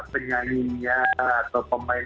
penyanyinya atau pemain